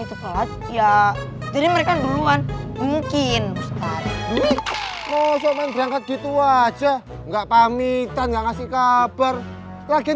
itu pelat ya jadi mereka duluan mungkin sekarang itu aja nggak pamitan gak ngasih kabar lagi